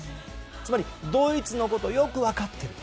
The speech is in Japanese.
つまり、ドイツのことをよく分かっている。